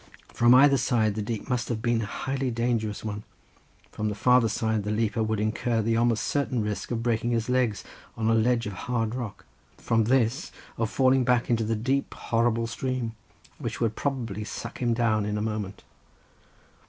From either side the leap must have been a highly dangerous one—from the farther side the leaper would incur the almost certain risk of breaking his legs on a ledge of hard rock, from this of falling back into the deep, horrible stream, which would probably suck him down in a moment.